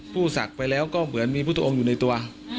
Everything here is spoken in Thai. ศักดิ์ไปแล้วก็เหมือนมีพุทธองค์อยู่ในตัว